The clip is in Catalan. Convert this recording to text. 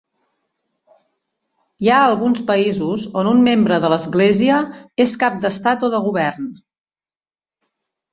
Hi ha alguns països on un membre de l'Església és cap d'Estat o de govern.